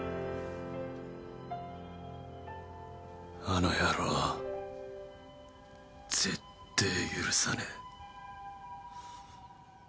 あの野郎絶対許さねえ。